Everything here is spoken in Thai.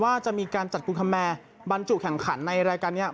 ว่าจะมีการจัดกุลคแมร์บรรจุแข่งขันในรายการนี้